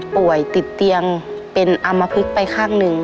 ป่วยติดเตียงเป็นอำมพลึกไปข้างหนึ่ง